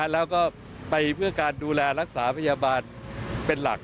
แล้วก็ไปเพื่อการดูแลรักษาพยาบาลเป็นหลัก